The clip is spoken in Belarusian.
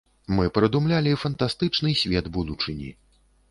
Мы прыдумлялі фантастычны свет будучыні.